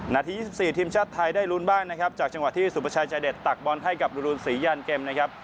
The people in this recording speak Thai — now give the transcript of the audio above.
นาที๒๔ทีมชาติไทยได้ลุ้นบ้างนะครับจากจังหวะที่สุประชายใจเด็ดตักบอลให้กับรุนศรียันเกมนะครับ